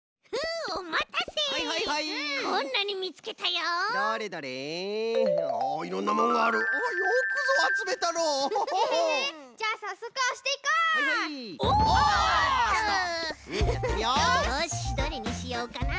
よしどれにしようかな。